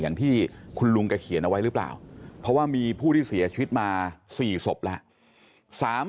อย่างที่คุณลุงแกเขียนเอาไว้หรือเปล่าเพราะว่ามีผู้ที่เสียชีวิตมา๔ศพแล้ว